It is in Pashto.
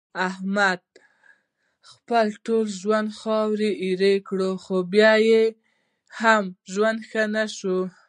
احمد خپل ټول ژوند خاورې ایرې کړ، خو بیا یې هم ژوند ښه نشو.